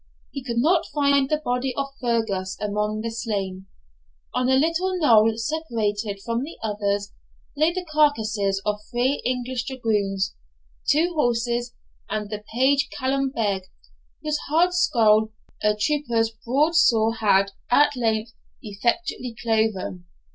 He could not find the body of Fergus among the slain. On a little knoll, separated from the others, lay the carcasses of three English dragoons, two horses, and the page Callum Beg, whose hard skull a trooper's broadsword had, at length, effectually cloven.